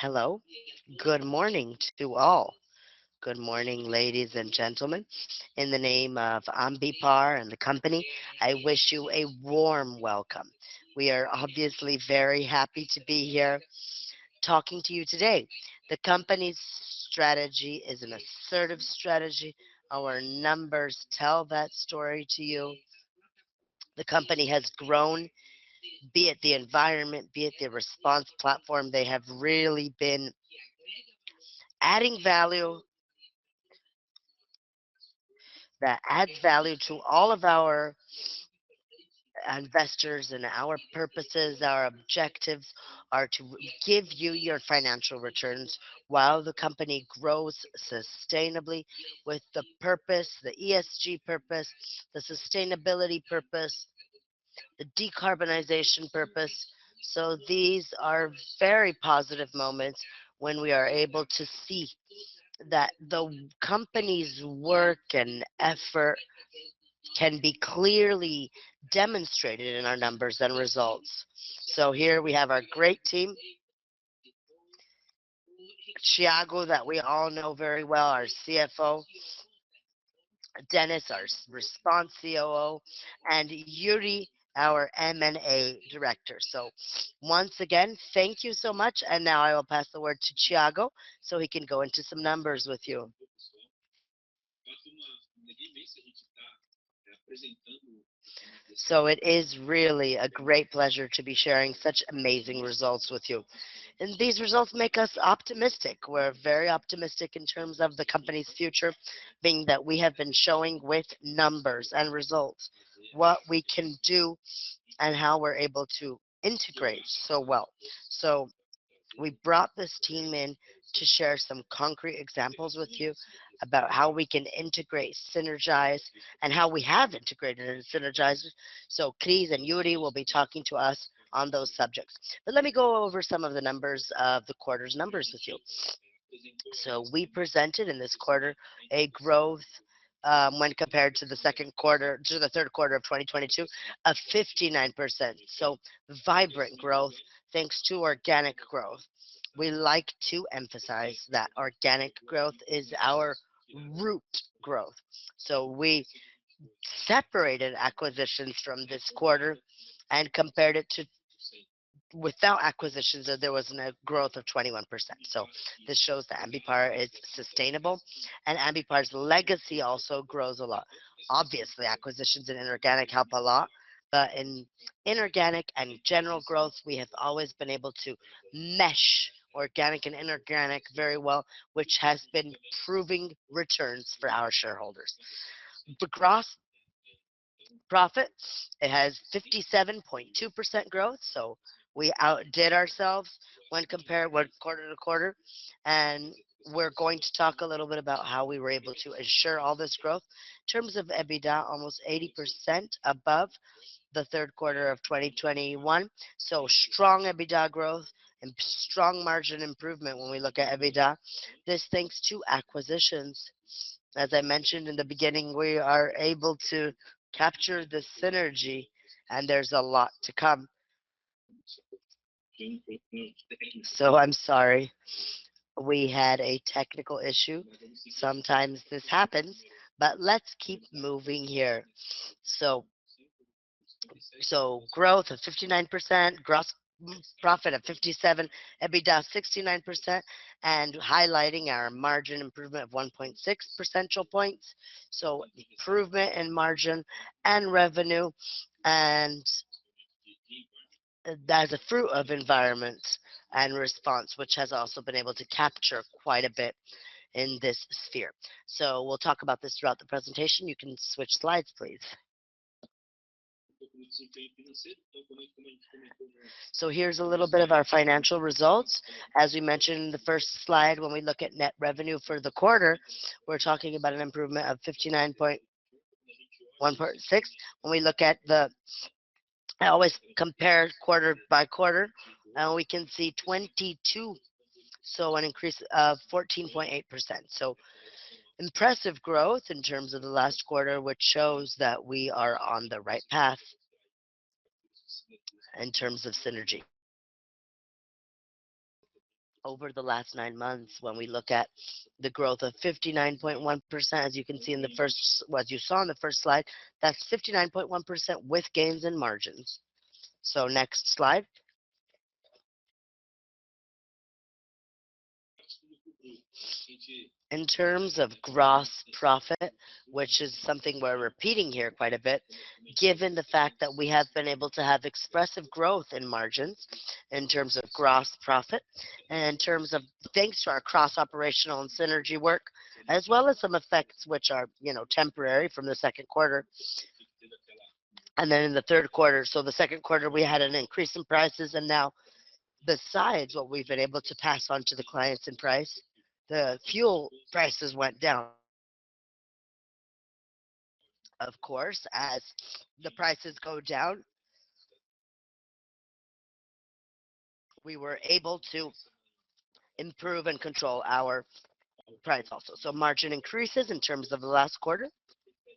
Hello. Good morning to all. Good morning, ladies and gentlemen. In the name of Ambipar and the company, I wish you a warm welcome. We are obviously very happy to be here talking to you today. The company's strategy is an assertive strategy. Our numbers tell that story to you. The company has grown, be it the environment, be it the response platform, they have really been adding value, that adds value to all of our investors, and our purposes, our objectives are to give you your financial returns while the company grows sustainably with the purpose, the ESG purpose, the sustainability purpose, the decarbonization purpose. These are very positive moments when we are able to see that the company's work and effort can be clearly demonstrated in our numbers and results. Here we have our great team. Thiago, that we all know very well, our CFO. Dennys, our Response COO, and Yuri, our M&A Director. Once again, thank you so much. Now I will pass the word to Thiago so he can go into some numbers with you. It is really a great pleasure to be sharing such amazing results with you. These results make us optimistic. We're very optimistic in terms of the company's future, being that we have been showing with numbers and results what we can do and how we're able to integrate so well. We brought this team in to share some concrete examples with you about how we can integrate, synergize, and how we have integrated and synergized. Cris and Yuri will be talking to us on those subjects. Let me go over some of the numbers of the quarter's numbers with you. We presented in this quarter a growth, when compared to the third quarter of 2022, of 59%. Vibrant growth thanks to organic growth. We like to emphasize that organic growth is our root growth. We separated acquisitions from this quarter and compared it to without acquisitions, and there was a growth of 21%. This shows that Ambipar is sustainable, and Ambipar's legacy also grows a lot. Obviously, acquisitions and inorganic help a lot, but in inorganic and general growth, we have always been able to mesh organic and inorganic very well, which has been proving returns for our shareholders. The gross profits, it has 57.2% growth, so we outdid ourselves when compared quarter to quarter. We're going to talk a little bit about how we were able to assure all this growth. In terms of EBITDA, almost 80% above the third quarter of 2021. Strong EBITDA growth and strong margin improvement when we look at EBITDA. This thanks to acquisitions. As I mentioned in the beginning, we are able to capture the synergy and there's a lot to come. I'm sorry. We had a technical issue. Sometimes this happens. Let's keep moving here. Growth of 59%, gross profit of 57%, EBITDA 69%, and highlighting our margin improvement of 1.6 percentual points. Improvement in margin and revenue, and that is a fruit of environments and response, which has also been able to capture quite a bit in this sphere. We'll talk about this throughout the presentation. You can switch slides, please. Here's a little bit of our financial results. As we mentioned in the first slide, when we look at net revenue for the quarter, we're talking about an improvement of 59.16%. I always compare quarter-over-quarter, we can see 2022, an increase of 14.8%. Impressive growth in terms of the last quarter, which shows that we are on the right path in terms of synergy. Over the last nine months, when we look at the growth of 59.1%, as you saw in the first slide, that's 59.1% with gains and margins. Next slide. In terms of gross profit, which is something we're repeating here quite a bit, given the fact that we have been able to have expressive growth in margins in terms of gross profit and thanks to our cross-operational and synergy work, as well as some effects which are temporary from the second quarter and then in the third quarter. The second quarter, we had an increase in prices, now besides what we've been able to pass on to the clients in price, the fuel prices went down. Of course, as the prices go down, we were able to improve and control our price also. Margin increases in terms of the last quarter.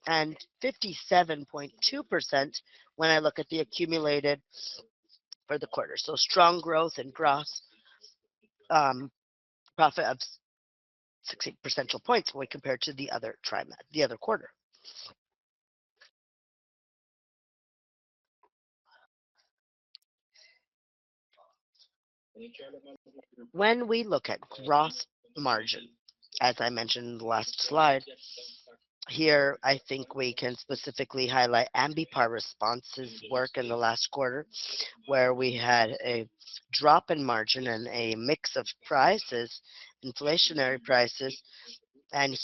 57.2% when I look at the accumulated for the quarter. Strong growth in gross profit of 16 percentile points when compared to the other quarter. When we look at gross margin, as I mentioned in the last slide, here I think we can specifically highlight Ambipar Response's work in the last quarter, where we had a drop in margin and a mix of prices, inflationary prices.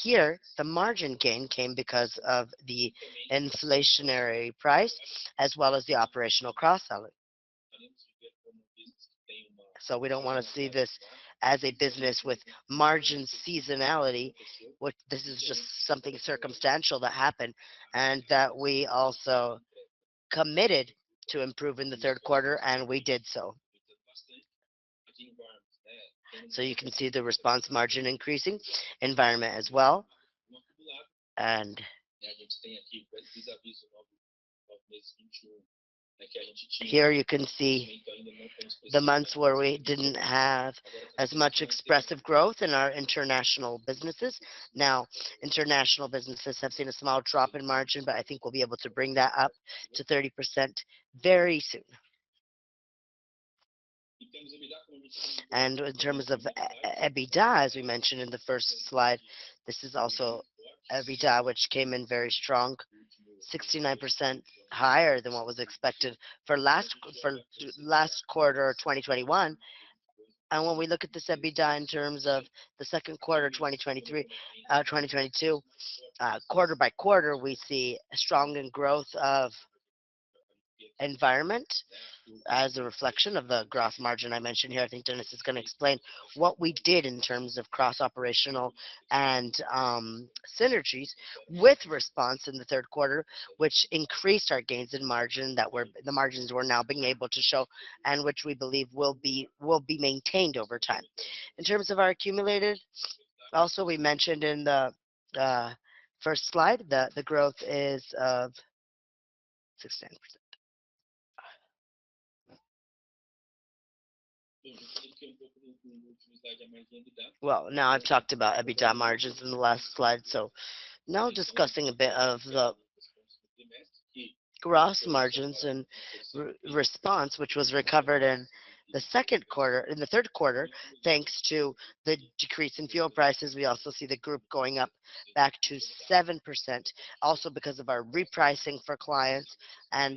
Here the margin gain came because of the inflationary price as well as the operational cross-selling. We don't want to see this as a business with margin seasonality. This is just something circumstantial that happened and that we also committed to improve in the third quarter, and we did so. You can see the Response margin increasing, Environment as well. Here you can see the months where we didn't have as much expressive growth in our international businesses. Now, international businesses have seen a small drop in margin, but I think we'll be able to bring that up to 30% very soon. In terms of EBITDA, as we mentioned in the first slide, this is also EBITDA, which came in very strong, 69% higher than what was expected for last quarter 2021. When we look at this EBITDA in terms of the second quarter 2022, quarter-over-quarter, we see a strong growth of Environment as a reflection of the gross margin I mentioned here. I think Denis is going to explain what we did in terms of cross-operational and synergies with Response in the third quarter, which increased our gains in margin, the margins we're now being able to show and which we believe will be maintained over time. In terms of our accumulated, also we mentioned in the first slide that the growth is of 16%. Now I've talked about EBITDA margins in the last slide. Now discussing a bit of the gross margins and Response, which was recovered in the third quarter, thanks to the decrease in fuel prices. We also see the group going up back to 7%. Because of our repricing for clients,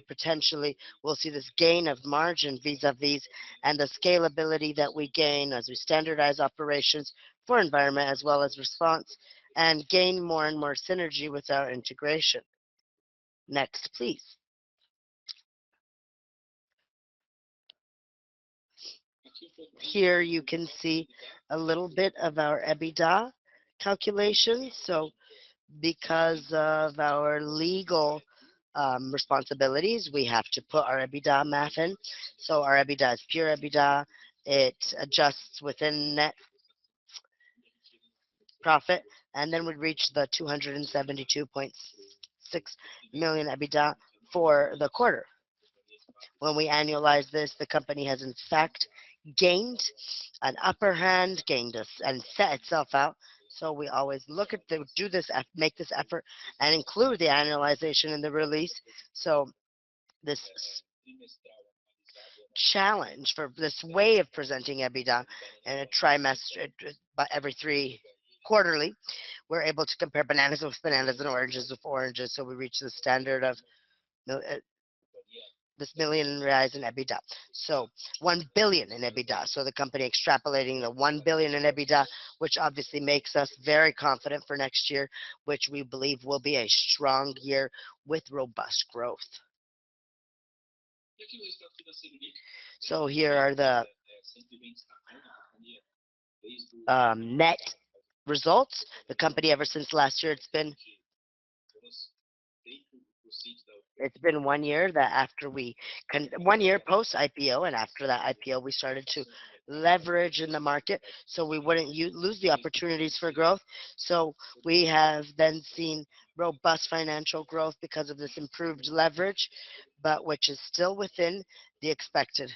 potentially we'll see this gain of margin vis-a-vis and the scalability that we gain as we standardize operations for Environment as well as Response, gain more and more synergy with our integration. Next, please. Here you can see a little bit of our EBITDA calculation. Because of our legal responsibilities, we have to put our EBITDA math in. Our EBITDA is pure EBITDA. It adjusts within net profit and then would reach 272.6 million EBITDA for the quarter. When we annualize this, the company has in fact gained an upper hand, gained and set itself out. We always make this effort and include the annualization in the release. This challenge for this way of presenting EBITDA every three quarterly, we're able to compare bananas with bananas and oranges with oranges. We reach the standard of this 1 billion reais rise in EBITDA. 1 billion in EBITDA. The company extrapolating the 1 billion in EBITDA, which obviously makes us very confident for next year, which we believe will be a strong year with robust growth. Here are the net results. The company ever since last year, it's been one year post-IPO, after that IPO, we started to leverage in the market so we wouldn't lose the opportunities for growth. We have then seen robust financial growth because of this improved leverage, but which is still within the expected.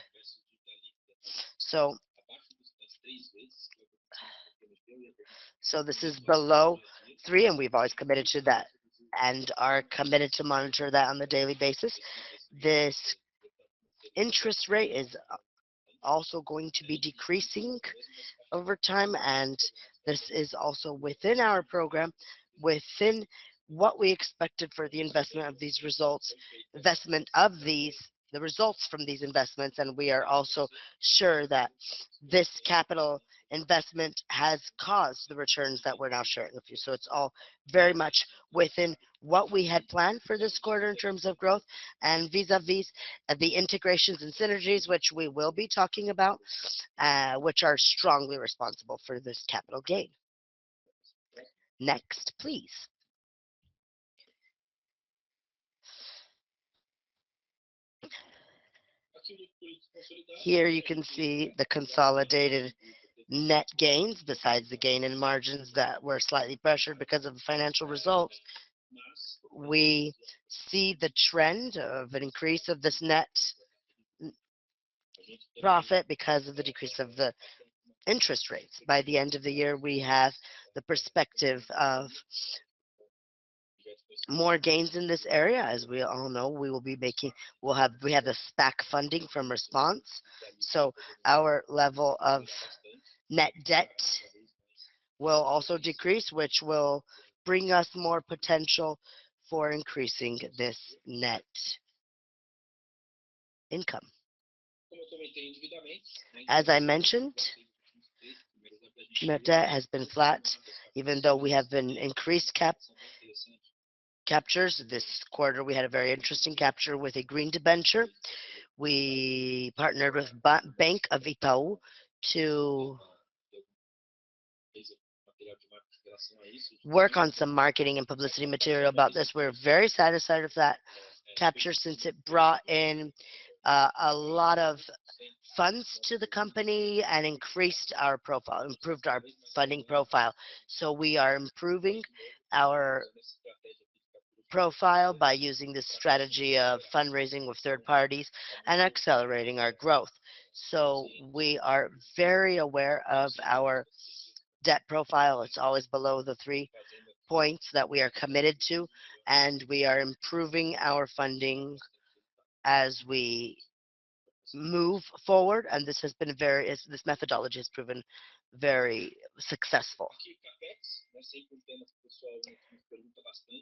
This is below three, and we've always committed to that and are committed to monitor that on the daily basis. This interest rate is also going to be decreasing over time, and this is also within our program, within what we expected for the investment of these results. The results from these investments, we are also sure that this capital investment has caused the returns that we're now sharing with you. It's all very much within what we had planned for this quarter in terms of growth and vis-a-vis the integrations and synergies, which we will be talking about, which are strongly responsible for this capital gain. Next, please. Here you can see the consolidated net gains besides the gain in margins that were slightly pressured because of the financial results. We see the trend of an increase of this net profit because of the decrease of the interest rates. By the end of the year, we have the perspective of more gains in this area. As we all know, we have the SPAC funding from Response. Our level of net debt will also decrease, which will bring us more potential for increasing this net income. As I mentioned, net debt has been flat even though we have an increased captures. This quarter, we had a very interesting capture with a green debenture. We partnered with Banco Itaú to work on some marketing and publicity material about this. We're very satisfied with that capture since it brought in a lot of funds to the company and improved our funding profile. We are improving our profile by using this strategy of fundraising with third parties and accelerating our growth. We are very aware of our debt profile. It's always below the 3 points that we are committed to, and we are improving our funding as we move forward, and this methodology has proven very successful.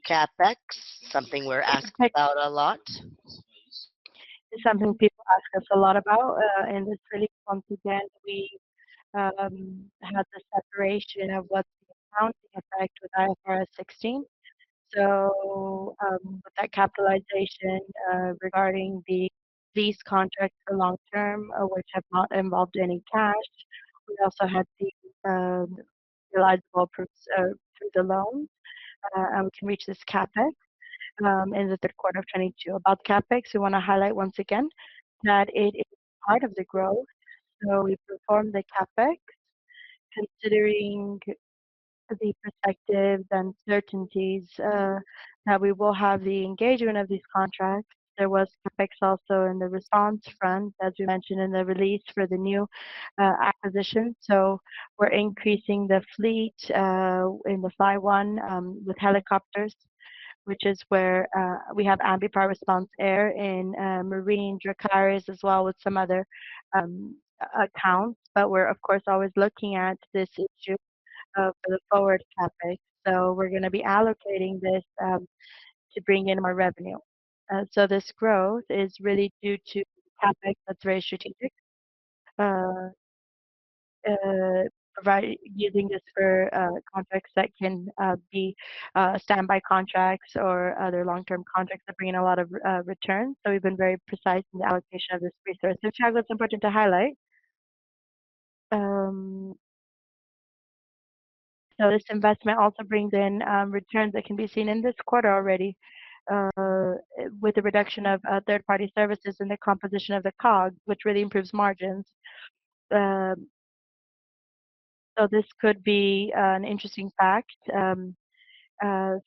CapEx, something we're asked about a lot. It is something people ask us a lot about. It is really once again, we have the separation of what the accounting effect with IFRS 16. With that capitalization regarding the lease contract for long-term, which have not involved any cash, we also had the realizable through the loans to reach this CapEx in the third quarter of 2022. About CapEx, we want to highlight once again that it is part of the growth. We performed the CapEx considering the perspectives and certainties that we will have the engagement of these contracts. There was CapEx also in the Response front, as we mentioned in the release for the new acquisition. We are increasing the fleet in the Flyone with helicopters, which is where we have Ambipar Response Air and Dracares as well with some other accounts. We are of course, always looking at this issue for the forward CapEx. We are going to be allocating this to bring in more revenue. This growth is really due to CapEx that is very strategic, using this for contracts that can be standby contracts or other long-term contracts that bring in a lot of returns. We have been very precise in the allocation of this resource, which I thought it is important to highlight. This investment also brings in returns that can be seen in this quarter already with the reduction of third-party services and the composition of the COGS, which really improves margins. This could be an interesting fact. We can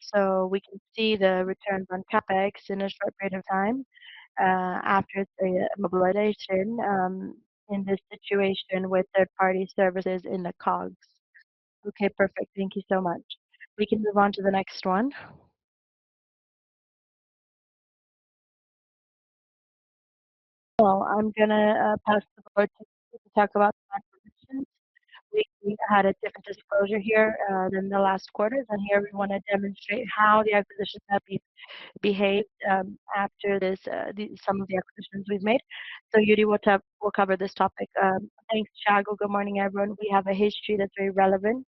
see the returns on CapEx in a short period of time after the mobilization in this situation with third-party services in the COGS. Okay, perfect. Thank you so much. We can move on to the next one. I am going to pass the board to talk about the acquisitions. We had a different disclosure here than the last quarter. Here we want to demonstrate how the acquisitions have behaved after some of the acquisitions we have made. Yuri will cover this topic. Thanks, Thiago. Good morning, everyone. We have a history that is very relevant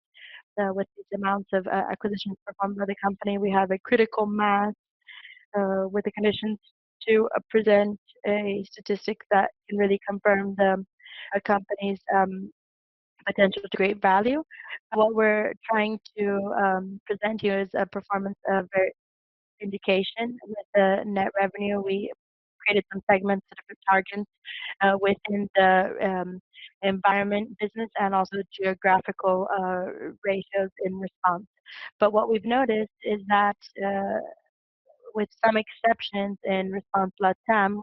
with these amounts of acquisitions performed by the company. We have a critical mass with the conditions to present a statistic that can really confirm the company's potential to create value. What we are trying to present here is a performance of very indication with the net revenue. We created some segments of targets within the environment business and also geographical ratios in Response. What we have noticed is that with some exceptions in Response LATAM,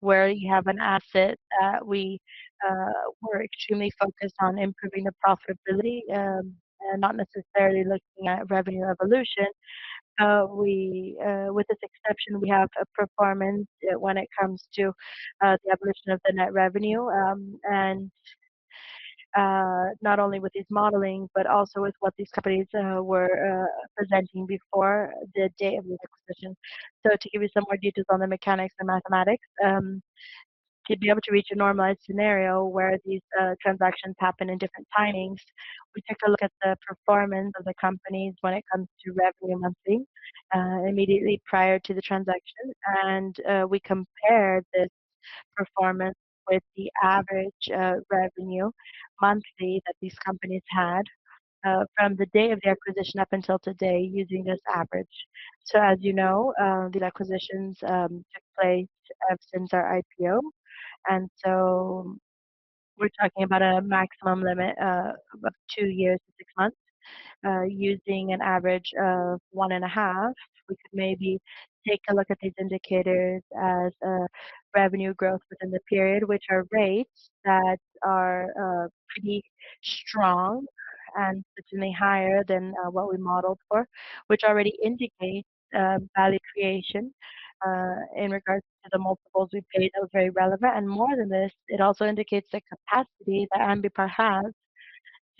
where you have an asset that we were extremely focused on improving the profitability and not necessarily looking at revenue evolution. With this exception, we have a performance when it comes to the evolution of the net revenue, and not only with these modeling, but also with what these companies were presenting before the day of these acquisitions. To give you some more details on the mechanics and mathematics to be able to reach a normalized scenario where these transactions happen in different timings, we take a look at the performance of the companies when it comes to revenue monthly immediately prior to the transaction. We compare this performance with the average revenue monthly that these companies had from the day of the acquisition up until today using this average. As you know, these acquisitions took place since our IPO. We're talking about a maximum limit of two years to six months, using an average of one and a half. We could maybe take a look at these indicators as revenue growth within the period, which are rates that are pretty strong and certainly higher than what we modeled for, which already indicates value creation in regards to the multiples we paid that was very relevant. More than this, it also indicates the capacity that Ambipar has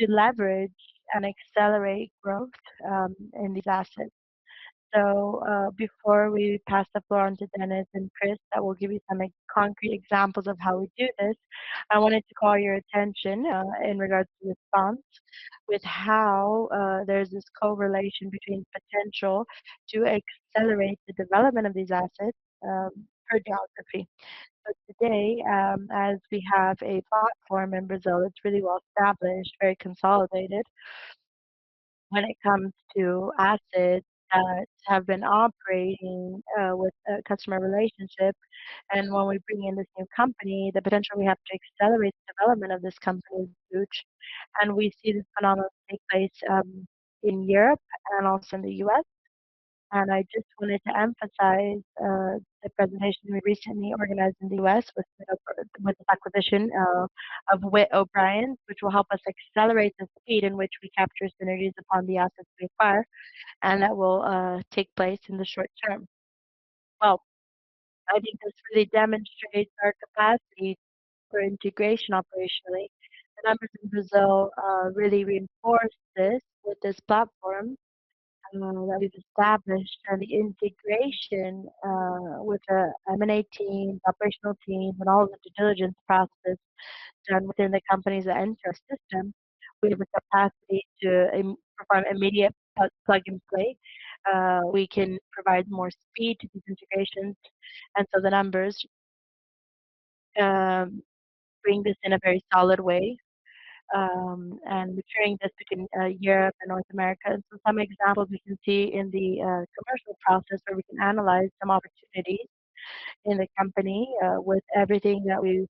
to leverage and accelerate growth in these assets. Before we pass the floor on to Denis and Chris, I will give you some concrete examples of how we do this. I wanted to call your attention in regards to response with how there's this correlation between potential to accelerate the development of these assets per geography. Today, as we have a platform in Brazil, it's really well established, very consolidated when it comes to assets that have been operating with a customer relationship. When we bring in this new company, the potential we have to accelerate the development of this company is huge. We see this phenomenon take place in Europe and also in the U.S. I just wanted to emphasize the presentation we recently organized in the U.S. with the acquisition of Witt O'Brien's, which will help us accelerate the speed in which we capture synergies upon the assets we acquire, and that will take place in the short term. Well, I think this really demonstrates our capacity for integration operationally. The numbers in Brazil really reinforce this with this platform that we've established and the integration with our M&A team, operational team, and all of the due diligence process done within the companies that enter our system. We have a capacity to perform immediate plug and play. We can provide more speed to these integrations, the numbers bring this in a very solid way, and we're carrying this between Europe and North America. Some examples we can see in the commercial process where we can analyze some opportunities in the company with everything that we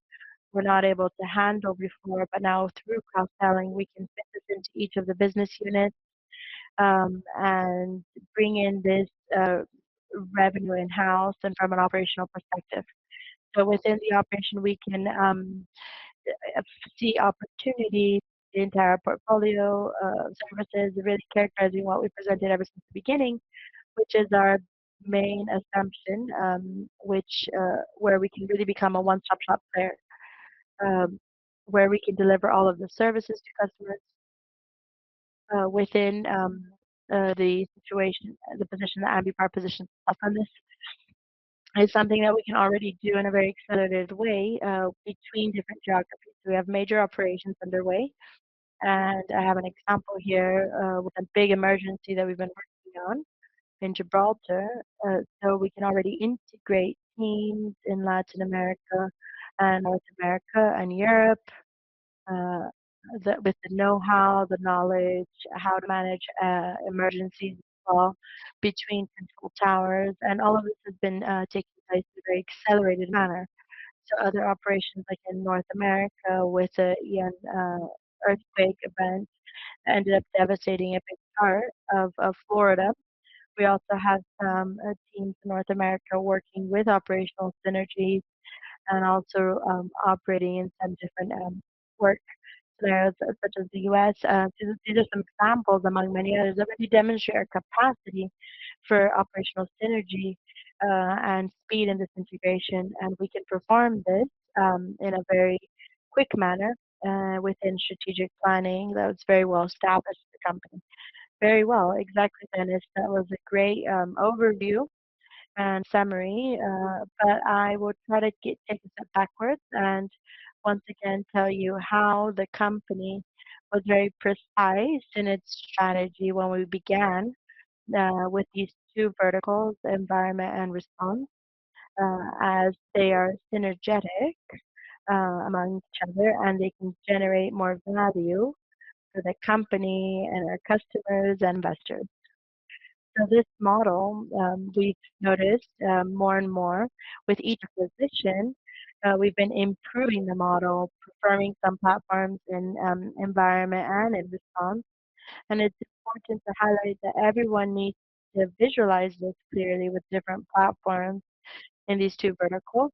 were not able to handle before, but now through cross-selling, we can fit this into each of the business units, and bring in this revenue in-house and from an operational perspective. Within the operation, we can see opportunities, the entire portfolio of services, really characterizing what we presented ever since the beginning, which is our main assumption, where we can really become a one-stop shop there, where we can deliver all of the services to customers within the position that Ambipar positions us on this. It's something that we can already do in a very accelerated way between different geographies. We have major operations underway, and I have an example here with a big emergency that we've been working on in Gibraltar. We can already integrate teams in Latin America and North America and Europe, with the know-how, the knowledge, how to manage emergencies well between control towers. All of this has been taking place in a very accelerated manner. Other operations like in North America with the Hurricane Ian event, ended up devastating a big part of Florida. We also have some teams in North America working with operational synergies and also operating in some different work spheres such as the U.S. These are some examples among many others that really demonstrate our capacity for operational synergy, and speed in this integration. We can perform this in a very quick manner within strategic planning that was very well established at the company. Very well. Exactly, Denis. That was a great overview and summary. I will try to take a step backwards and once again, tell you how the company was very precise in its strategy when we began with these two verticals, environment and response, as they are synergetic among each other, and they can generate more value for the company and our customers and investors. This model, we noticed more and more with each acquisition, we've been improving the model, preferring some platforms in environment and in response. It's important to highlight that everyone needs to visualize this clearly with different platforms in these two verticals.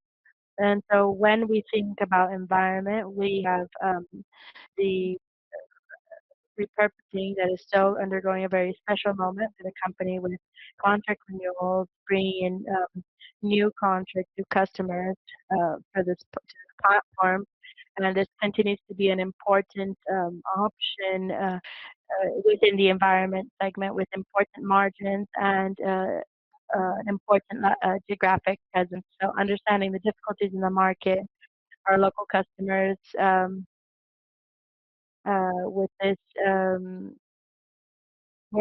When we think about environment, we have the repurposing that is still undergoing a very special moment for the company with contract renewals, bringing in new contracts, new customers for this particular platform. This continues to be an important option within the environment segment with important margins and an important geographic presence. Understanding the difficulties in the market, our local customers, where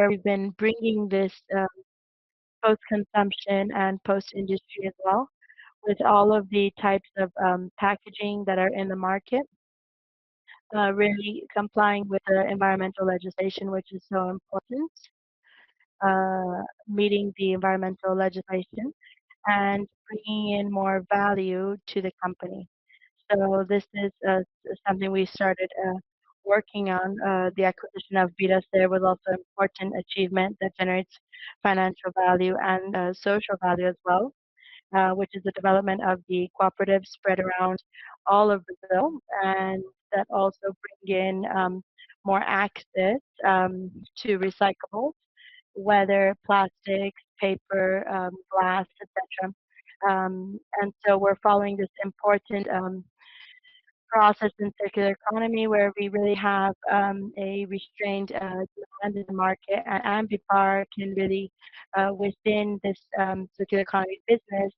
we've been bringing this post-consumption and post-industry as well, with all of the types of packaging that are in the market, really complying with the environmental legislation, which is so important Meeting the environmental legislation and bringing in more value to the company. This is something we started working on. The acquisition of BLZ Recicla was also an important achievement that generates financial value and social value as well, which is the development of the cooperative spread around all of Brazil, and that also bring in more access to recyclables, whether plastics, paper, glass, et cetera. We're following this important process in circular economy where we really have a restrained demand in the market and Ambipar can really within this circular economy business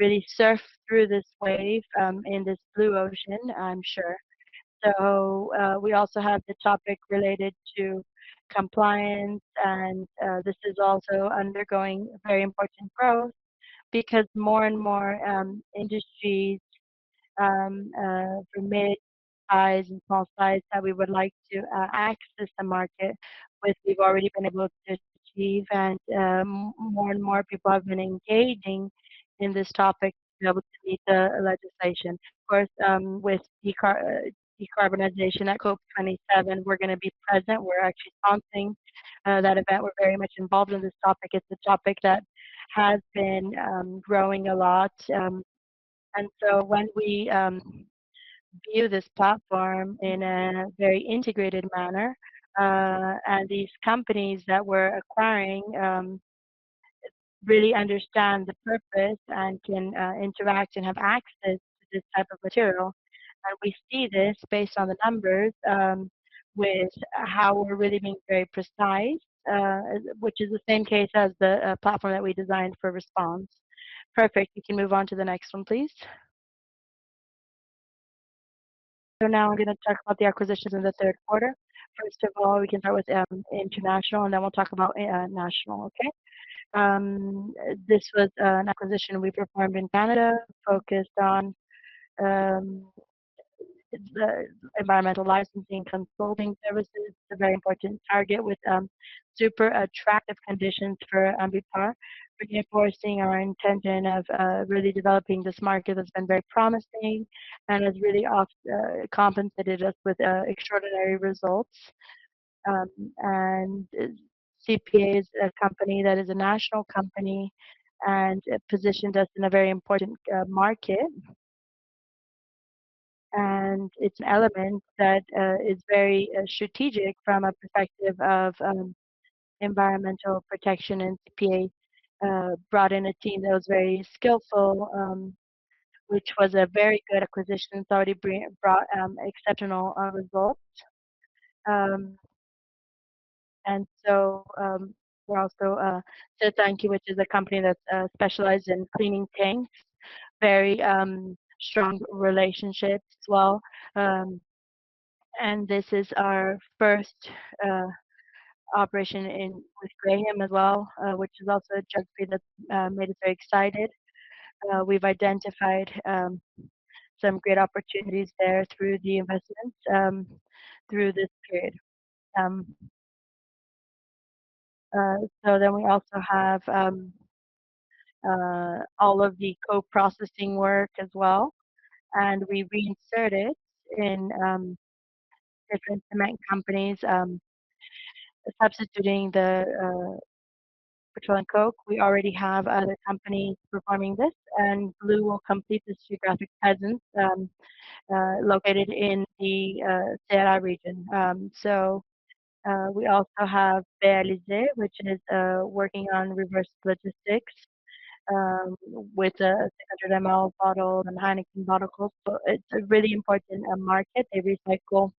really surf through this wave in this blue ocean, I'm sure. We also have the topic related to compliance and this is also undergoing very important growth because more and more industries from mid-size and small size that we would like to access the market with we've already been able to achieve and more and more people have been engaging in this topic to be able to meet the legislation. Of course, with decarbonization at COP 27, we're going to be present. We're actually sponsoring that event. We're very much involved in this topic. It's a topic that has been growing a lot. When we view this platform in a very integrated manner, these companies that we're acquiring really understand the purpose and can interact and have access to this type of material. We see this based on the numbers, with how we're really being very precise, which is the same case as the platform that we designed for response. Perfect. You can move on to the next one, please. Now I'm going to talk about the acquisitions in the third quarter. First of all, we can start with international. Then we'll talk about national, okay? This was an acquisition we performed in Canada focused on the environmental licensing consulting services. It's a very important target with super attractive conditions for Ambipar, reinforcing our intention of really developing this market that's been very promising and has really compensated us with extraordinary results. CPA is a company that is a national company and positioned us in a very important market. It's an element that is very strategic from a perspective of environmental protection. CPA brought in a team that was very skillful, which was a very good acquisition. It's already brought exceptional results. We're also C-Tank, which is a company that specializes in cleaning tanks. Very strong relationship as well. This is our first operation in with Graham as well, which is also a geography that made us very excited. We've identified some great opportunities there through the investments through this period. We also have all of the co-processing work as well. We reinserted in different cement companies substituting the petroleum coke. We already have other companies performing this, and BLZ Recicla will complete this geographic presence located in the Ceará region. We also have Realize, which is working on reverse logistics with a 300 ml bottle and Heineken bottles. It's a really important market. They recycle.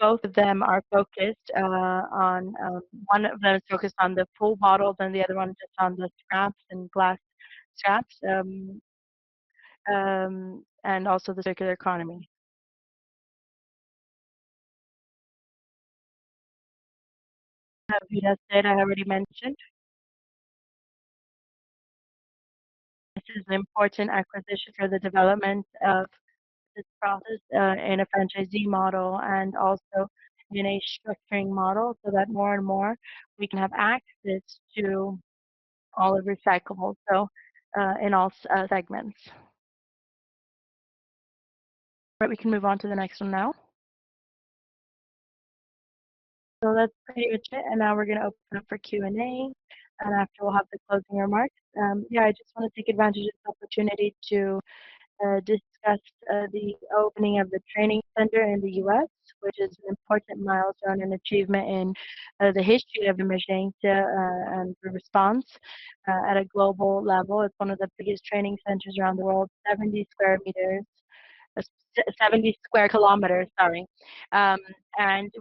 Both of them are focused on one of them, which is focused on the full bottles, and the other one is just on the scrap and glass shards, and also the circular economy. We just said. I already mentioned. This is an important acquisition for the development of this process in a franchisee model and also distribution structuring model so that more and more we can have access to all the recyclables in all segments. We can move on to the next one now. That's pretty much it. Now we're going to open up for Q&A. After we'll have the closing remarks. I just want to take advantage of this opportunity to discuss the opening of the training center in the U.S., which is an important milestone and achievement in the history of Ambipar Response and the response at a global level. It's one of the biggest training centers around the world, 70 square kilometers.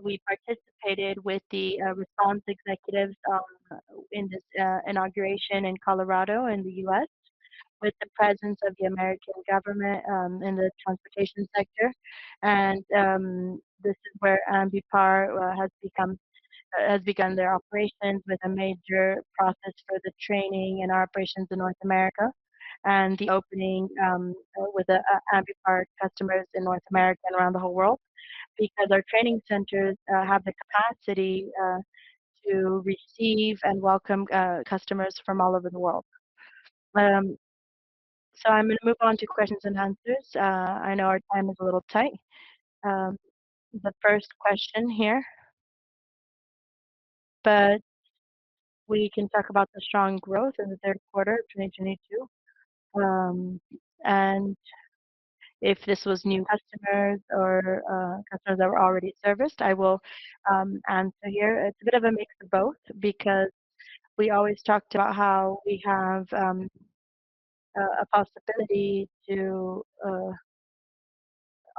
We participated with the response executives in this inauguration in Colorado in the U.S. with the presence of the American government in the transportation sector. This is where Ambipar has begun their operations with a major process for the training and our operations in North America. The opening with the Ambipar customers in North America and around the whole world, because our training centers have the capacity to receive and welcome customers from all over the world. I'm going to move on to questions and answers. I know our time is a little tight. The first question here. We can talk about the strong growth in the third quarter of 2022. If this was new customers or customers that were already serviced, I will answer here. It's a bit of a mix of both because we always talked about how we have a possibility to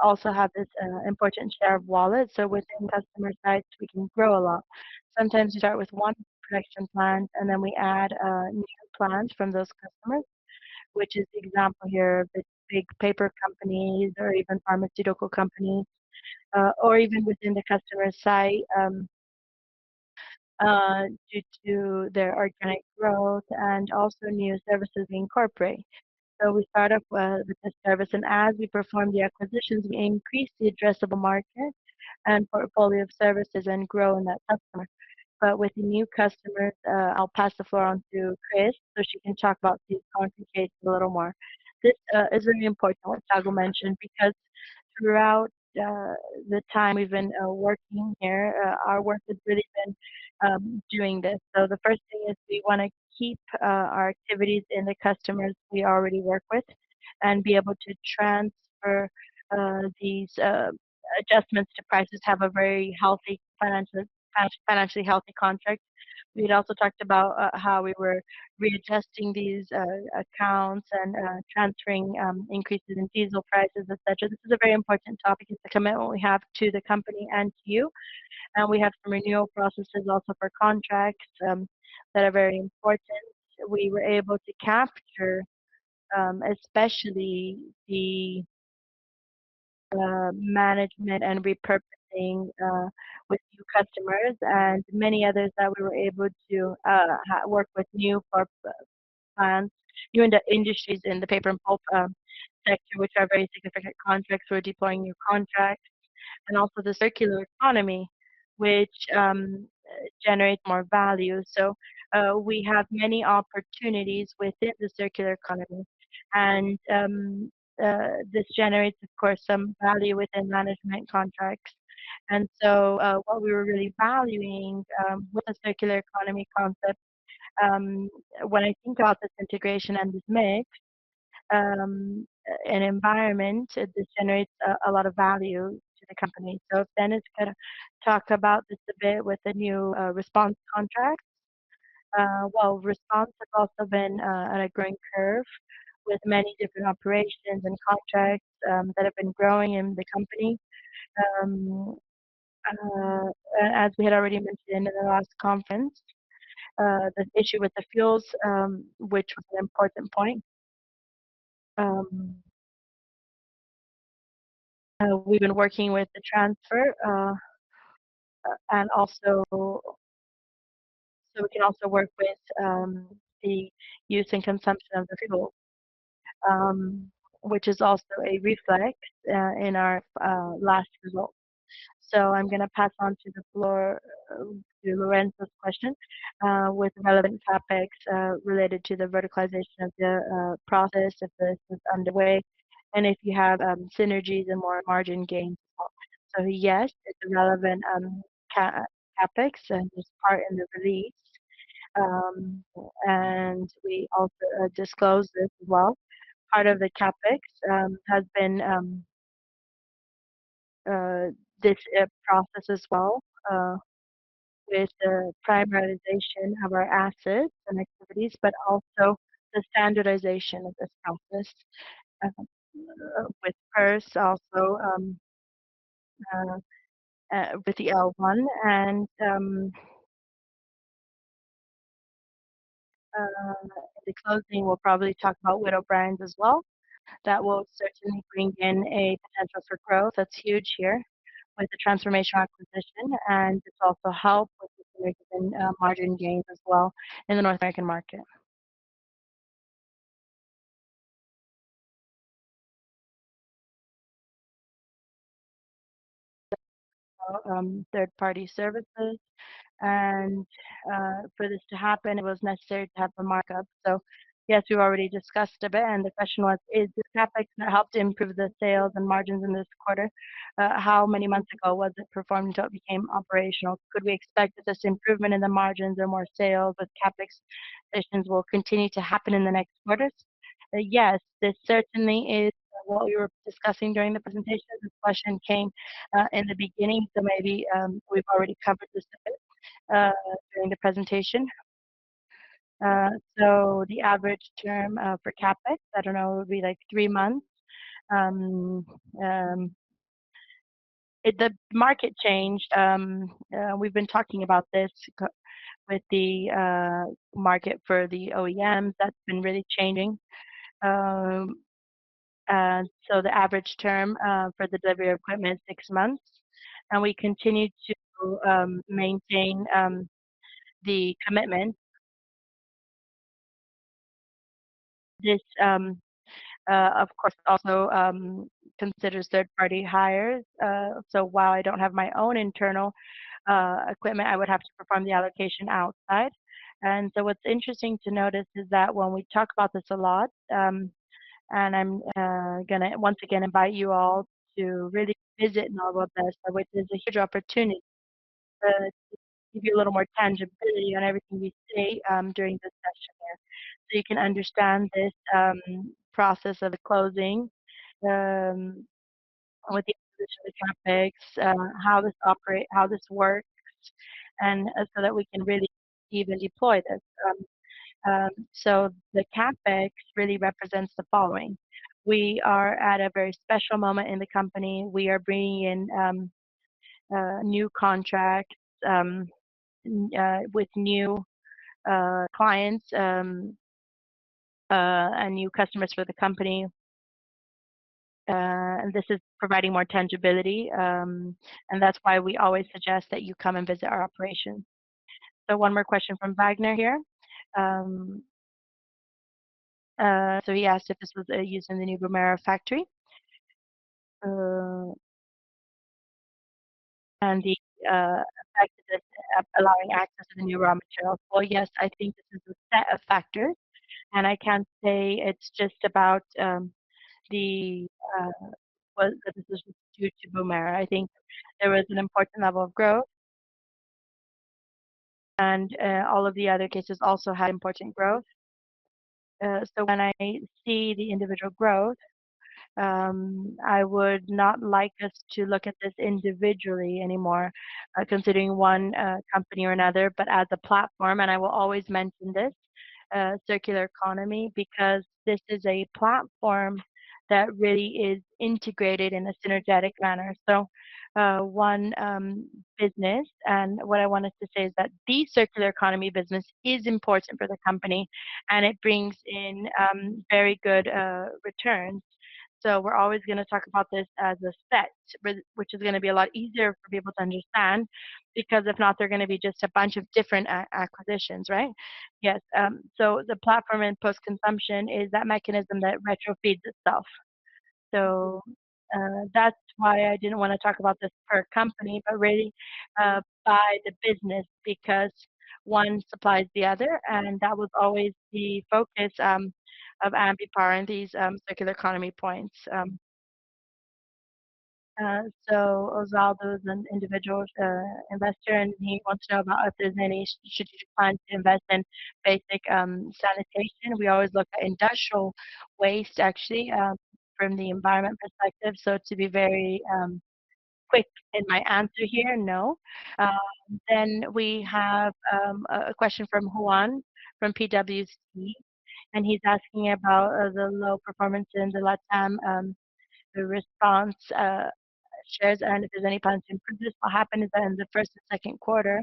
also have this important share of wallet. Within customer sites, we can grow a lot. Sometimes we start with one production plant, and then we add new plants from those customers, which is the example here of the big paper companies or even pharmaceutical companies, or even within the customer site, due to their organic growth and also new services we incorporate. We start up with a service, as we perform the acquisitions, we increase the addressable market and portfolio of services and grow in that customer. With new customers, I'll pass the floor on to Chris so she can talk about these current use cases a little more. This is really important, what Thiago mentioned, because throughout the time we've been working here, our work has really been doing this. The first thing is we want to keep our activities in the customers we already work with and be able to transfer these adjustments to prices to have a very financially healthy contract. We had also talked about how we were retesting these accounts and transferring increases in diesel prices, et cetera. This is a very important topic. It's a commitment we have to the company and to you. We have some renewal processes also for contracts that are very important. We were able to capture especially the management and repurposing with new customers and many others that we were able to work with new plants, new industries in the paper and pulp sector, which are very significant contracts. We're deploying new contracts. Also the circular economy, which generates more value. We have many opportunities within the circular economy, and this generates, of course, some value within management contracts. What we were really valuing with the circular economy concept, when I think about this integration and this mix, an environment, this generates a lot of value to the company. Denis is going to talk about this a bit with the new response contracts. While response has also been at a growing curve with many different operations and contracts that have been growing in the company. As we had already mentioned in the last conference, the issue with the fuels, which was an important point. We've been working with the transfer. We can also work with the use and consumption of the fuel, which is also a reflect in our last results. I'm going to pass on the floor to Lorenzo's question with relevant topics related to the verticalization of the process, if this is underway, and if you have synergies and more margin gains as well. Yes, it's a relevant CapEx, and it's part in the release. We also disclosed this as well. Part of the CapEx has been this process as well with the privatization of our assets and activities, but also the standardization of response bases with First, also with the L1. In the closing, we'll probably talk about Witt O'Brien's as well. That will certainly bring in a potential for growth that's huge here with the transformation acquisition, and this also help with the margin gains as well in the North American market. Third-party services, and for this to happen, it was necessary to have the markup. Yes, we've already discussed a bit, and the question was, "Is this CapEx going to help to improve the sales and margins in this quarter? How many months ago was it performed until it became operational? Could we expect that this improvement in the margins or more sales with CapEx positions will continue to happen in the next quarters?" Yes, this certainly is what we were discussing during the presentation. This question came in the beginning, maybe we've already covered this a bit during the presentation. The average term for CapEx, I don't know, would be three months. The market changed. We've been talking about this with the market for the OEMs. That's been really changing. The average term for the delivery of equipment is six months, and we continue to maintain the commitment. This, of course, also considers third-party hires. While I don't have my own internal equipment, I would have to perform the allocation outside. What's interesting to notice is that when we talk about this a lot, and I'm going to once again invite you all to really visit Nova Odessa, which is a huge opportunity to give you a little more tangibility on everything we say during this session here, that we can really even deploy this. The CapEx really represents the following. We are at a very special moment in the company. We are bringing in new contracts with new clients, and new customers for the company. This is providing more tangibility, and that's why we always suggest that you come and visit our operation. One more question from Wagner here. He asked if this was used in the new Boomera factory, and the effect of this allowing access to the new raw material. Yes, I think this is a factor, and I can say it's just about the decision due to Boomera. I think there was an important level of growth, and all of the other cases also had important growth. When I see the individual growth, I would not like us to look at this individually anymore, considering one company or another, but as a platform, and I will always mention this circular economy, because this is a platform that really is integrated in a synergetic manner. One business, and what I want us to say is that the circular economy business is important for the company, and it brings in very good returns. We're always going to talk about this as a set, which is going to be a lot easier for people to understand, because if not, they're going to be just a bunch of different acquisitions, right? Yes. The platform and post-consumption is that mechanism that retrofeeds itself. That's why I didn't want to talk about this per company, but really by the business, because one supplies the other, and that was always the focus of Ambipar in these circular economy points. Oswaldo is an individual investor, and he wants to know about if there's any strategic plan to invest in basic sanitation. We always look at industrial waste, actually, from the environment perspective. To be very quick in my answer here, no. We have a question from Juan from PwC, and he's asking about the low performance in the LATAM Response shares, and if there's any plans to improve. What happened is that in the first and second quarter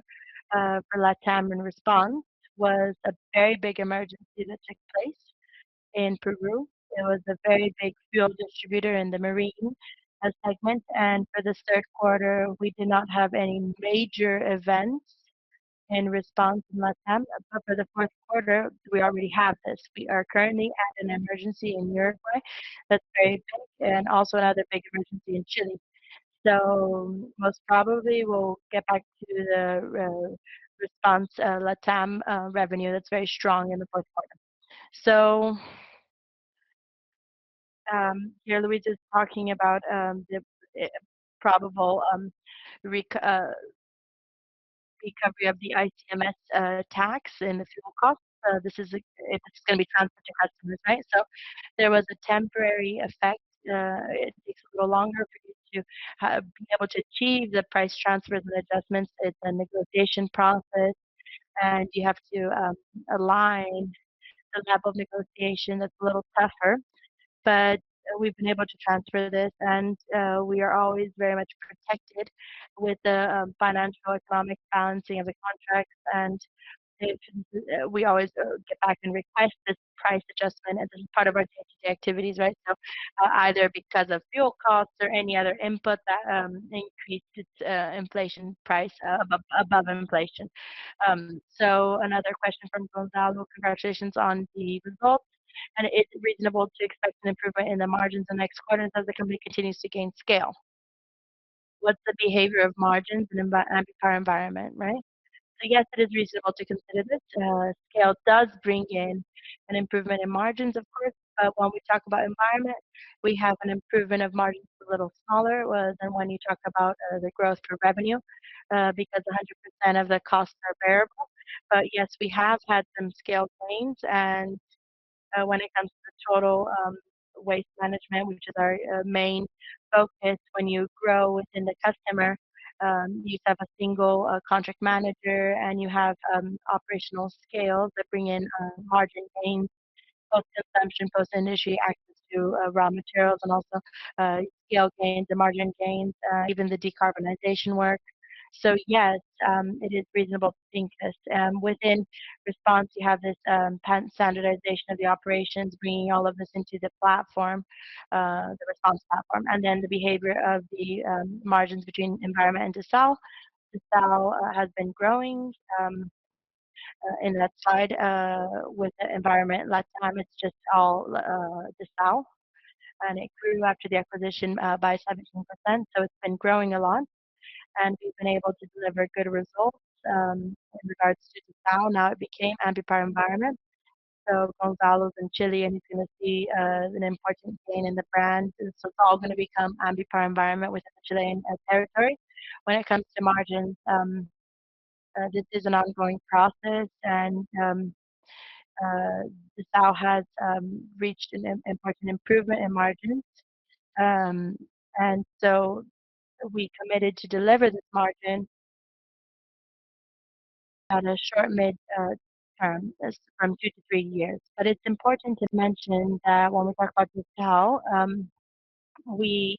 for LATAM in Response was a very big emergency that took place in Peru. There was a very big fuel distributor in the marine segment, and for this third quarter, we did not have any major events in Response in LATAM. For the fourth quarter, we already have this. We are currently at an emergency in Uruguay that's very big, and also another big emergency in Chile. Most probably we'll get back to the Response LATAM revenue that's very strong in the fourth quarter. Here, Luiz is talking about the probable recovery of the ICMS tax and the fuel cost. It's going to be transferred to customers, right? There was a temporary effect. It takes a little longer for you to be able to achieve the price transfer, the adjustments. It's a negotiation process, and you have to align. That level of negotiation is a little tougher, but we've been able to transfer this, and we are always very much protected with the financial, economic balancing of the contracts, and we always act and request this price adjustment as part of our day-to-day activities, right? Either because of fuel costs or any other input that increases its inflation price above inflation. Another question from Oswaldo. Congratulations on the results, and is it reasonable to expect an improvement in the margins in next quarters as the company continues to gain scale? What's the behavior of margins in Ambipar Environment, right? Yes, it is reasonable to consider this. Scale does bring in an improvement in margins, of course. When we talk about Environment, we have an improvement of margins a little smaller than when you talk about the growth per revenue because 100% of the costs are variable. Yes, we have had some scale gains, and when it comes to the total waste management, which is our main focus when you grow within the customer, you have a single contract manager, and you have operational scales that bring in margin gains Post-consumption, post-industry access to raw materials, and also yield gains and margin gains, even the decarbonization work. Yes, it is reasonable to think this. Within Response, you have this patent standardization of the operations, bringing all of this into the Response platform, and then the behavior of the margins between Environment and Disal. Disal has been growing in that side with the Environment. Last time it's just all Disal, it grew after the acquisition by 17%, we've been able to deliver good results in regards to Disal. Now it became Ambipar Environment. Gonzalo is in Chile, he's going to see an important gain in the brand. It's all going to become Ambipar Environment within the Chilean territory. When it comes to margins, this is an ongoing process, Disal has reached an important improvement in margins. So we committed to deliver this margin on a short, mid term from two to three years. It's important to mention that when we talk about Disal, we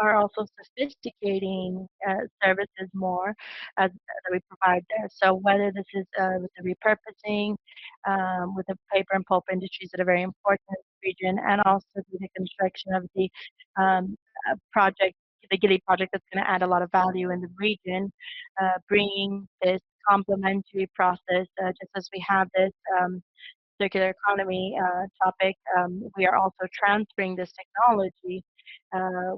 are also sophisticating services more as we provide there. Whether this is with the repurposing with the paper and pulp industries that are very important in the region, also with the construction of the GIRI project that's going to add a lot of value in the region, bringing this complementary process. Just as we have this circular economy topic, we are also transferring this technology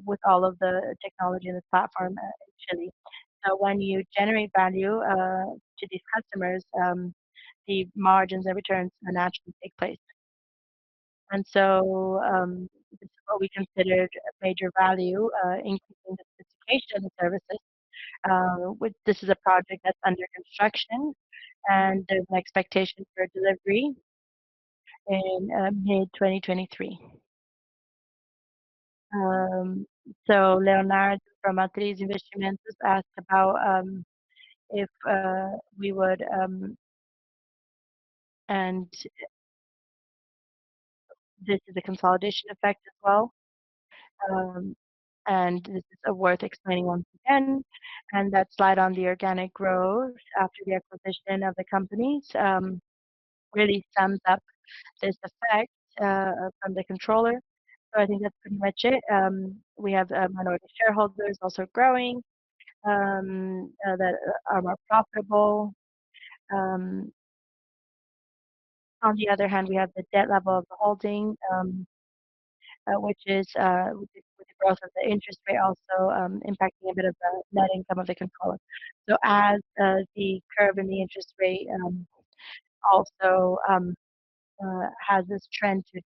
with all of the technology in the platform in Chile. When you generate value to these customers, the margins and returns naturally take place. So this is what we considered a major value, increasing the sophistication of the services. This is a project that's under construction, there's an expectation for delivery in mid-2023. Leonard from Atres Investimentos asked if we would. This is a consolidation effect as well. This is worth explaining once again, that slide on the organic growth after the acquisition of the companies really sums up this effect from the controller. I think that's pretty much it. We have minority shareholders also growing, that are more profitable. On the other hand, we have the debt level of the holding, with the growth of the interest rate also impacting a bit of the net income of the controller. As the curve in the interest rate also has this trend to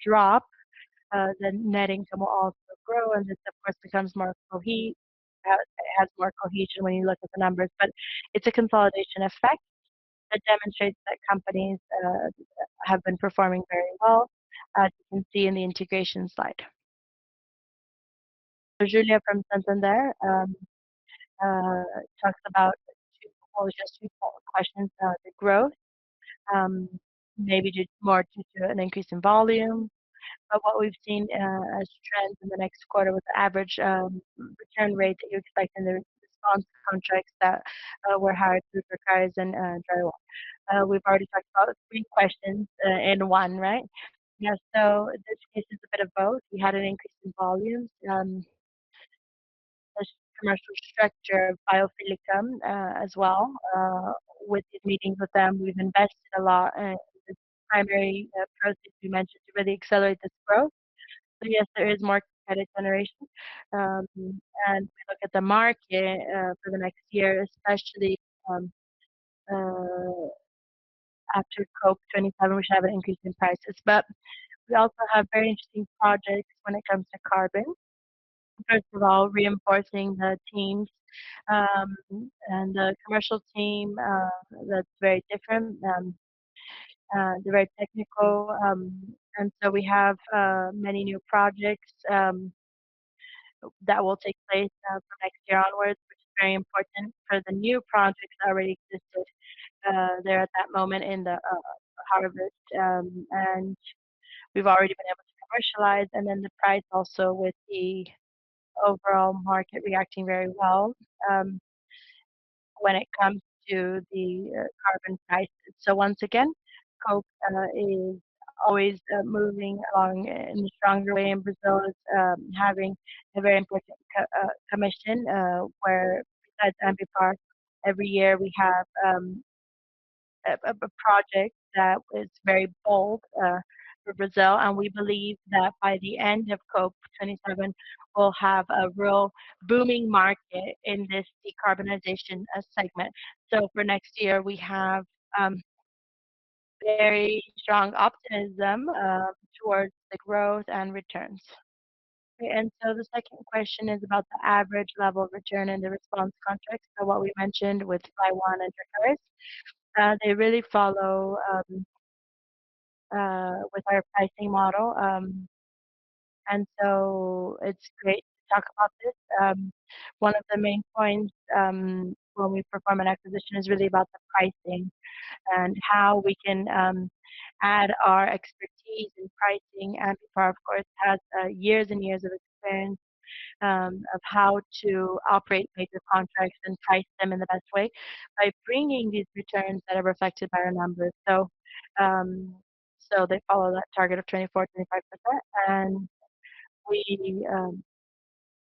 drop, the net income will also grow, this, of course, has more cohesion when you look at the numbers. It's a consolidation effect that demonstrates that companies have been performing very well, as you can see in the integration slide. Julio from Santander talks about two questions. The growth, maybe due more to an increase in volume. What we've seen as trends in the next quarter with the average return rate that you expect in the Response contracts that were hired through Flyone and Dracares. We've already talked about three questions in one, right? Yeah, in this case, it's a bit of both. We had an increase in volumes. Commercial structure of Biofílica as well. With these meetings with them, we've invested a lot in this primary process we mentioned to really accelerate this growth. Yes, there is more credit generation. We look at the market for the next year, especially after COP27, we should have an increase in prices. We also have very interesting projects when it comes to carbon. First of all, reinforcing the teams and the commercial team, that's very different, very technical. We have many new projects that will take place from next year onward, which is very important for the new projects that already existed there at that moment in the harvest. We've already been able to commercialize, then the price also with the overall market reacting very well when it comes to the carbon prices. Once again, COP is always moving along in a stronger way in Brazil, having a very important commission where besides Ambipar, every year we have a project that is very bold for Brazil. We believe that by the end of COP 27, we'll have a real booming market in this decarbonization segment. For next year, we have very strong optimism towards the growth and returns. The second question is about the average level of return in the Response contracts. What we mentioned with Flyone and Dracares. They really follow with our pricing model. It's great to talk about this. One of the main points when we perform an acquisition is really about the pricing and how we can add our expertise in pricing. Ambipar, of course, has years and years of experience of how to operate major contracts and price them in the best way by bringing these returns that are reflected by our numbers. So, they follow that target of 24%-25%. We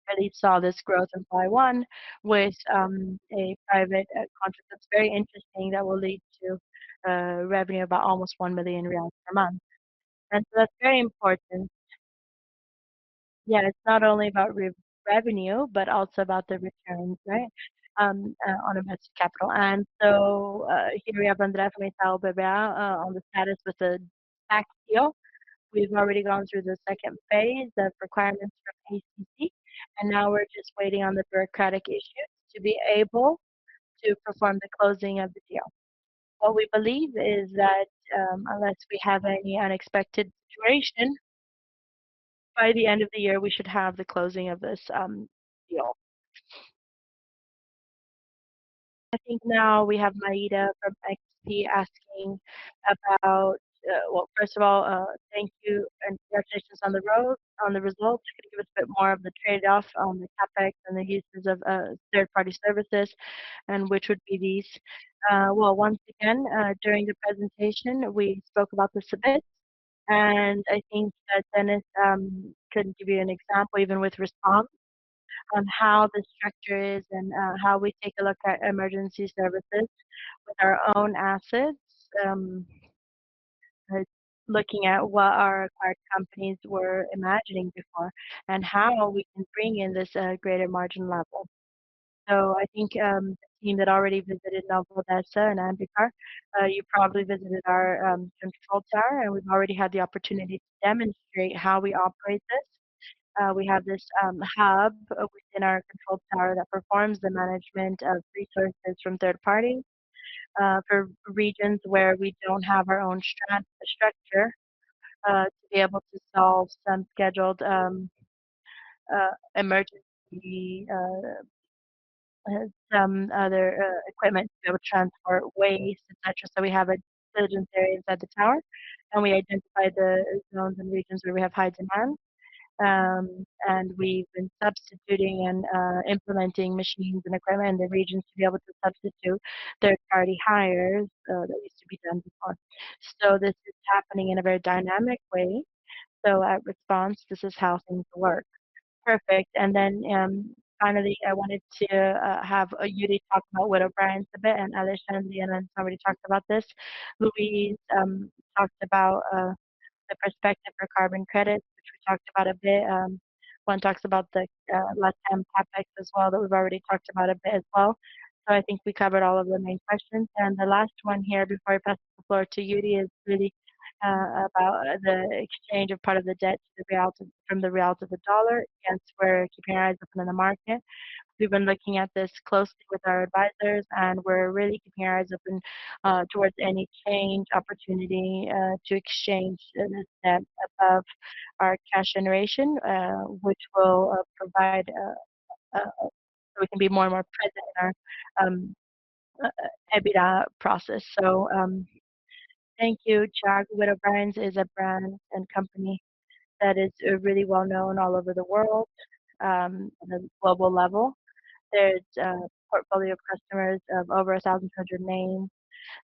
already saw this growth in Q1 with a private contract that's very interesting, that will lead to revenue about almost 1 million reais per month. That's very important. It's not only about revenue, but also about the returns on invested capital. Here we have [Andressa de Chiara] on the status with the SPAC deal. We've already gone through the second phase of requirements from SEC, and now we're just waiting on the bureaucratic issues to be able to perform the closing of the deal. What we believe is that, unless we have any unexpected situation, by the end of the year, we should have the closing of this deal. I think now we have Maida from XP asking about. Well, first of all, thank you and congratulations on the results. Could you give us a bit more of the trade-off on the CapEx and the uses of third-party services, and which would be these? Well, once again, during the presentation, we spoke about this a bit, and I think that Denis can give you an example, even with Response, on how the structure is and how we take a look at emergency services with our own assets. Looking at what our acquired companies were imagining before, and how we can bring in this greater margin level. I think the team that already visited Nova Odessa and Ambipar, you probably visited our control tower. We've already had the opportunity to demonstrate how we operate this. We have this hub within our control tower that performs the management of resources from third parties for regions where we don't have our own structure to be able to solve some scheduled emergency. Some other equipment to be able to transport waste, et cetera. We have a diligence area inside the tower, and we identify the zones and regions where we have high demand. We've been substituting and implementing machines and equipment in the regions to be able to substitute third party hires that used to be done before. This is happening in a very dynamic way. At response, this is how things work. Perfect. Finally, I wanted to have Yuri talk about Witt O'Brien's a bit, and other than [Guilherme] already talked about this. Luiz talked about the perspective for carbon credits, which we talked about a bit. Juan talks about the LatAm CapEx as well, that we've already talked about a bit as well. I think we covered all of the main questions. The last one here before I pass the floor to Yuri is really about the exchange of part of the debt from the BRL to the USD. Hence, we're keeping our eyes open in the market. We've been looking at this closely with our advisors, and we're really keeping our eyes open towards any change opportunity to exchange in the sense of our cash generation, so we can be more and more present in our EBITDA process. Thank you, Thiago. Witt O'Brien's is a brand and company that is really well known all over the world, on a global level. There's a portfolio of customers of over 1,100 names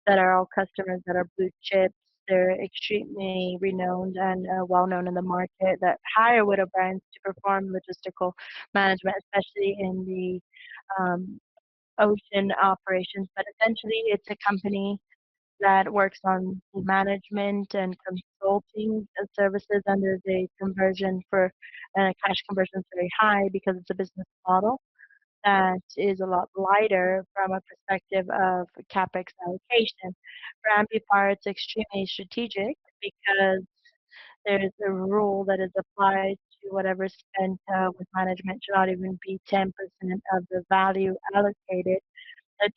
that are all customers that are blue chips. They're extremely renowned and well known in the market that hire Witt O'Brien's to perform logistical management, especially in the ocean operations. Essentially, it's a company that works on management and consulting services under the conversion for cash conversion is very high because it's a business model that is a lot lighter from a perspective of CapEx allocation. For Ambipar, it's extremely strategic because there's a rule that is applied to whatever is spent with management should not even be 10% of the value allocated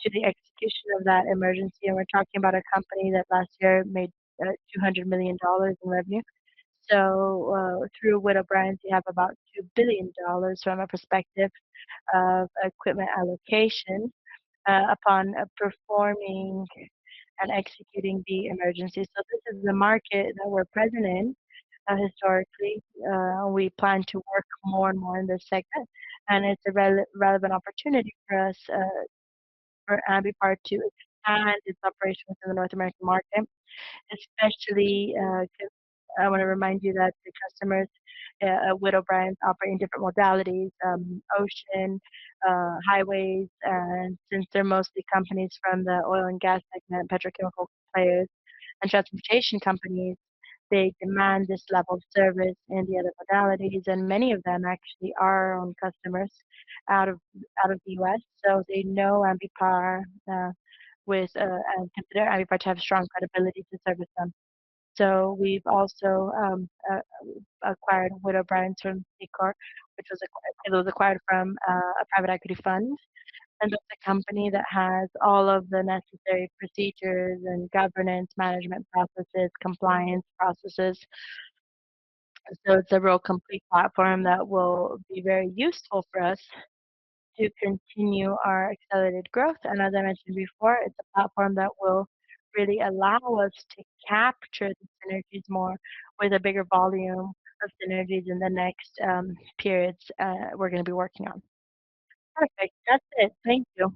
to the execution of that emergency. We're talking about a company that last year made $200 million in revenue. Through Witt O'Brien's, we have about $2 billion from a perspective of equipment allocation upon performing and executing the emergency. This is the market that we're present in historically. We plan to work more and more in this segment, and it's a relevant opportunity for us, for Ambipar, to expand its operation within the North American market. Especially, because I want to remind you that the customers at Witt O'Brien's operate in different modalities, ocean, highways, and since they're mostly companies from the oil and gas segment, petrochemical players, and transportation companies. They demand this level of service in the other modalities, and many of them actually are our own customers out of the U.S. They know Ambipar to have strong credibility to service them. We've also acquired Witt O'Brien's from SEACOR, which was acquired from a private equity fund. This is a company that has all of the necessary procedures and governance management processes, compliance processes. It's a real complete platform that will be very useful for us to continue our accelerated growth. As I mentioned before, it's a platform that will really allow us to capture the synergies more with a bigger volume of synergies in the next periods we're going to be working on. Perfect. That's it. Thank you.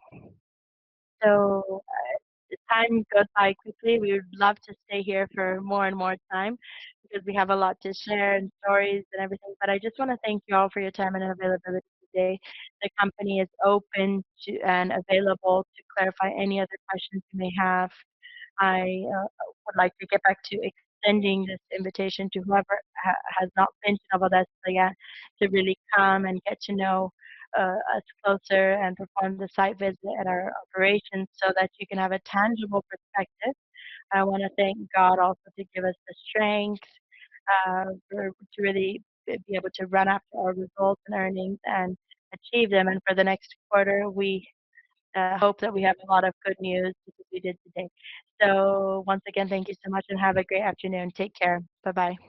As time goes by quickly, we would love to stay here for more and more time because we have a lot to share and stories and everything. I just want to thank you all for your time and availability today. The company is open to and available to clarify any other questions you may have. I would like to get back to extending this invitation to whoever has not been to Nova Odessa yet to really come and get to know us closer and perform the site visit at our operations so that you can have a tangible perspective. I want to thank God also to give us the strength to really be able to run after our results and earnings and achieve them. For the next quarter, we hope that we have a lot of good news as we did today. Once again, thank you so much and have a great afternoon. Take care. Bye-bye.